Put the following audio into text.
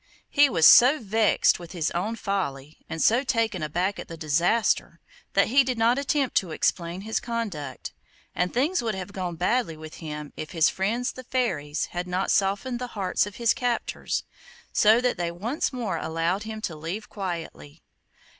He was so vexed with his own folly, and so taken aback at the disaster, that he did not attempt to explain his conduct, and things would have gone badly with him if his friends the fairies had not softened the hearts of his captors, so that they once more allowed him to leave quietly.